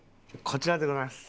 こちらでございます。